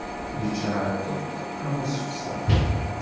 Yejjaɛṭet am uṣefṣaf.